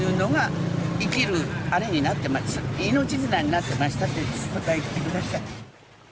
yang akhirnya ada nihos